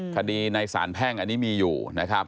คดีในสารแพ่งอันนี้มีอยู่นะครับ